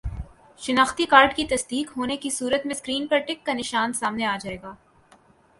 شناختی کارڈ کی تصدیق ہونے کی صورت میں سکرین پر ٹک کا نشان سامنے آ جائے گا